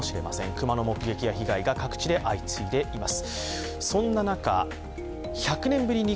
熊の目撃や被害が各地で相次いでいます。